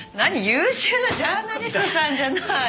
優秀なジャーナリストさんじゃない。